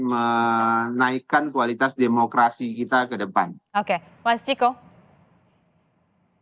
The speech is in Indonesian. menaikkan kualitas demokrasi kita yang